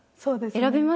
選びます？